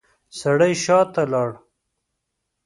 سړی شاته لاړ.